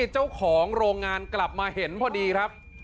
เจ้าของโรงงานกลับมาเห็นพอดีครับ